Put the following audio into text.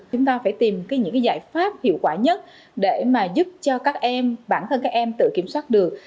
chúng ta phải tìm những giải pháp hiệu quả nhất để mà giúp cho các em bản thân các em tự kiểm soát được